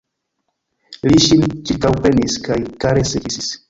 Li ŝin ĉirkaŭprenis kaj karese kisis.